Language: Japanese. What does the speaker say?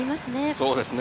そうですね。